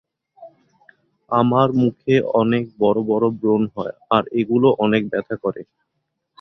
আমার মুখে অনেক বড় বড় ব্রণ হয় আর এগুলো অনেক ব্যথা করে।